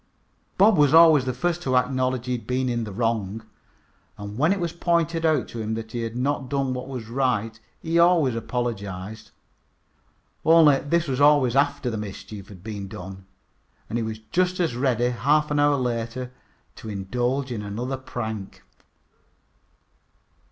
Bob was always the first to acknowledge he had been in the wrong, and when it was pointed out to him that he had not done what was right he always apologized. Only this was always after the mischief had been done, and he was just as ready half an hour later to indulge in another prank.